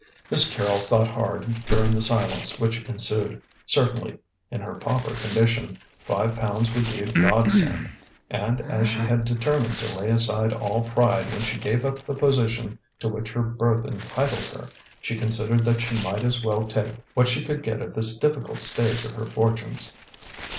Miss Carrol thought hard during the silence which ensued. Certainly, in her pauper condition, five pounds would be a god send, and, as she had determined to lay aside all pride when she gave up the position to which her birth entitled her, she considered that she might as well take what she could get at this difficult stage of her fortunes.